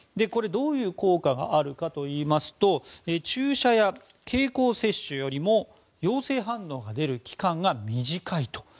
これはどういう効果があるかといいますと注射や経口摂取よりも陽性反応が出る期間が短い。